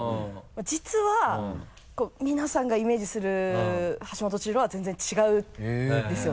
実はこう皆さんがイメージする橋本千紘は全然違うんですよね。